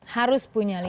harus punya lima